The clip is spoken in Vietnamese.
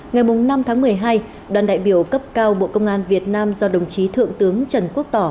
ngày năm tháng một mươi hai đoàn đại biểu cấp cao bộ công an việt nam do đồng chí thượng tướng trần quốc tỏ